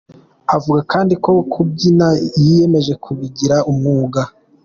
Avuga kandi ko kubyina yiyemeje kubigira umwuga.